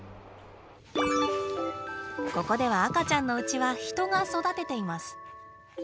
ここでは赤ちゃんのうちは人が育てています。